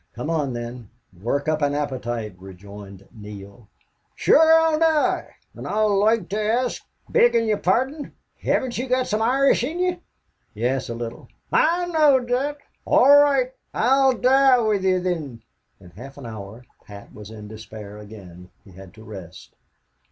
"Come on, then, work up an appetite," rejoined Neale. "Shure I'll die.... An' I'd loike to ask, beggin' ye're pardon, hevn't ye got some Irish in ye?" "Yes, a little." "I knowed thot.... All roight, I'll die with ye, thin." In half an hour Pat was in despair again. He had to rest.